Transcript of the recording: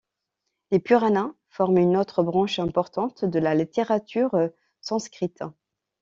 Les Puranas forment une autre branche importante de la littérature sanskrite.